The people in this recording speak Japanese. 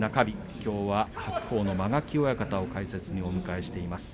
きょうは間垣親方を解説にお迎えしています。